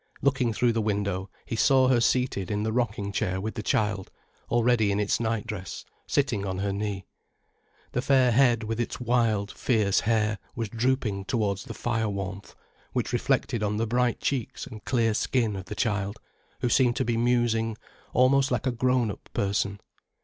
Looking through the window, he saw her seated in the rocking chair with the child, already in its nightdress, sitting on her knee. The fair head with its wild, fierce hair was drooping towards the fire warmth, which reflected on the bright cheeks and clear skin of the child, who seemed to be musing, almost like a grown up person.